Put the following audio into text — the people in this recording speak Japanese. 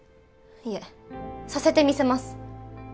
いえさせてみせます